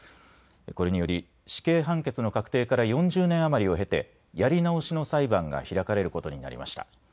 これにより死刑判決の確定から４０年余りを経てやり直しの裁判が開かれることになりました。